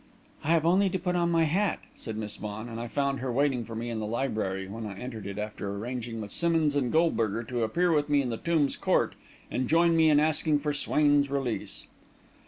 "I have only to put on my hat," said Miss Vaughan; and I found her waiting for me in the library, when I entered it after arranging with Simmonds and Goldberger to appear with me in the Tombs court and join me in asking for Swain's release.